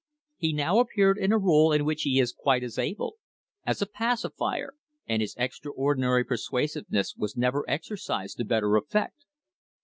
He now appeared in a role in which he is quite as able as a pacifier, and his ex traordinary persuasiveness was never exercised to better effect.